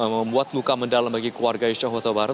membuat luka mendalam bagi keluarga isyah huta barat